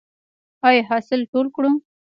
آیا حاصل ټول کړو؟